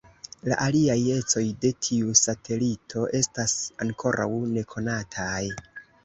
La aliaj ecoj de tiu satelito estas ankoraŭ nekonataj.